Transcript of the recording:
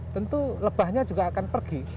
tentu lebahnya juga akan pergi